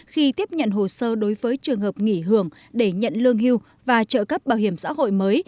khi tiếp nhận hồ sơ đối với trường hợp nghỉ hưởng để nhận lương hưu và trợ cấp bảo hiểm xã hội mới